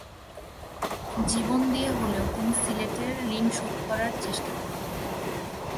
জীবন দিয়ে হলেও তিনি সিলেটের ঋণ শোধ করার চেষ্টা করবেন।